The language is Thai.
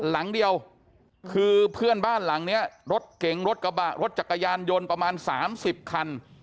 หลังเดียวคือเพื่อนบ้านหลังเนี้ยรถเก๋งรถกระบะรถจักรยานยนต์ประมาณ๓๐คัน